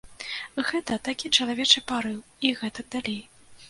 Гэта такі чалавечы парыў і гэтак далей.